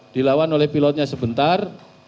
dilawan oleh pilotnya sebentar